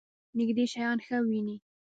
نږدې شیان ښه وینئ؟